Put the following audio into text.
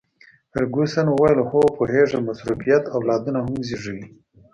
فرګوسن وویل: هو، پوهیږم، مصروفیت اولادونه هم زیږوي.